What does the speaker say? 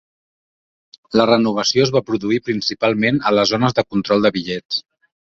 La renovació es va produir principalment a les zones de control de bitllets.